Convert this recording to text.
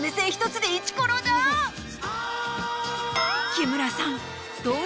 木村さん。